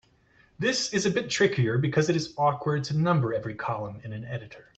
This is a bit trickier because it is awkward to number every column in an editor.